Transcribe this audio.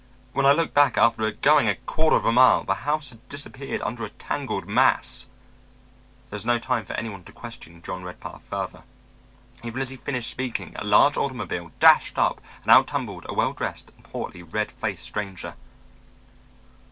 When I looked back after going a quarter of a mile the house had disappeared under a tangled mass." There was no time for anyone to question John Redpath further. Even as he finished speaking a large automobile dashed up and out tumbled a well dressed and portly red faced stranger.